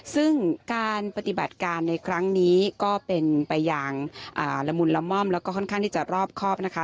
ซึ่งการปฏิบัติการในครั้งนี้ก็เป็นไปอย่างละมุนละม่อมแล้วก็ค่อนข้างที่จะรอบครอบนะคะ